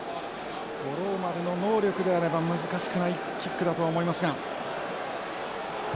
五郎丸の能力であれば難しくないキックだとは思いますが。